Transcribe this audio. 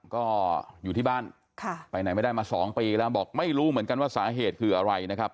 ก็อยู่ที่บ้านไปไหนไม่ได้มา๒ปีแล้วบอกไม่รู้เหมือนกันว่าสาเหตุคืออะไรนะครับ